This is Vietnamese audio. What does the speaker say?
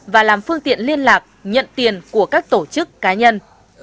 và làm phương tiện liên lạc nhận tiền của các tổ chức cá nhân